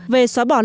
về xóa bỏ lao động